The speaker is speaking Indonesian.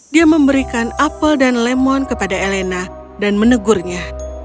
dia memberikan apel dan lemon kepada elena dan menegurnya